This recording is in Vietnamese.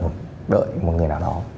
như là để đợi một người nào đó